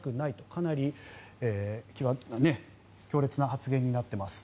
かなり強烈な発言になっています。